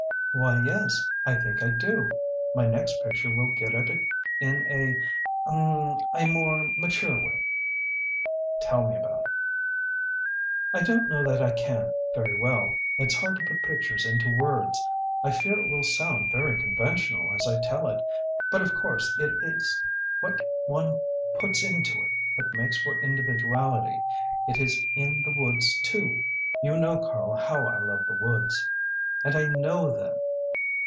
"Why, yes, I think I do. My next picture will get at it in a um a more mature way." "Tell me about it." "I don't know that I can, very well. It's hard to put pictures into words. I fear it will sound very conventional as I tell it, but of course it is what one puts into it that makes for individuality. It is in the woods, too. You know, Karl, how I love the woods. And I know them!